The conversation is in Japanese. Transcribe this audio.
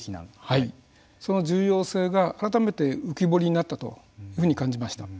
その重要性が改めて浮き彫りになったというふうに感じました。